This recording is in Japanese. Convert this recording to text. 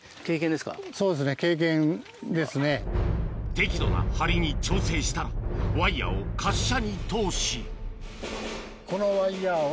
適度な張りに調整したらワイヤを滑車に通しこのワイヤを。